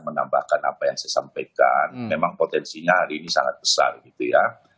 menambahkan apa yang saya sampaikan memang potensinya hari ini sangat besar gitu ya